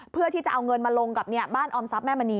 เพื่อที่จะเอาเงินมาลงกับบ้านออมทรัพย์แม่มณี